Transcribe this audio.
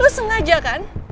lo sengaja kan